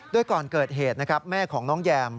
โดยก่อนเกิดเหตุนะครับแม่ของน้องแยม